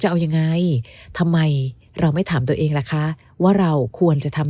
เอายังไงทำไมเราไม่ถามตัวเองล่ะคะว่าเราควรจะทำ